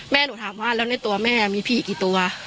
แม่หนูถามว่าแล้วในตัวแม่มีผีกี่ตัว